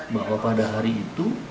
bahwa pada hari itu